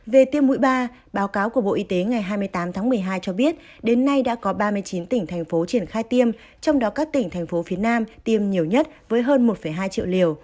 về tiêm mũi ba báo cáo của bộ y tế ngày hai mươi tám tháng một mươi hai cho biết đến nay đã có ba mươi chín tỉnh thành phố triển khai tiêm trong đó các tỉnh thành phố phía nam tiêm nhiều nhất với hơn một hai triệu liều